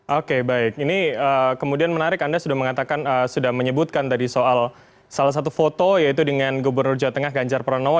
oke baik ini kemudian menarik anda sudah menyebutkan tadi soal salah satu foto yaitu dengan gubernur jawa tengah ganjar pranowo